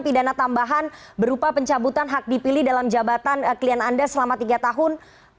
pidana tambahan berupa pencabutan hak dipilih dalam jabatan klien anda selama tiga tahun